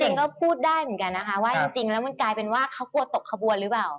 จริงก็พูดได้เหมือนกันนะคะว่าจริงแล้วมันกลายเป็นว่าเขากลัวตกขบวนหรือเปล่า